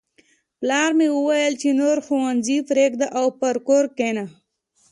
پلار مې وویل چې نور ښوونځی پریږده او په کور کښېنه